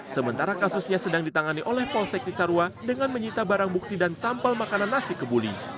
sementara kasusnya sedang ditangani oleh polsek cisarua dengan menyita barang bukti dan sampel makanan nasi kebuli